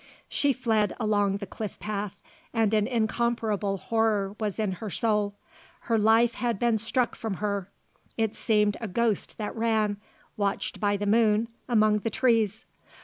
She fled along the cliff path and an incomparable horror was in her soul. Her life had been struck from her. It seemed a ghost that ran, watched by the moon, among the trees.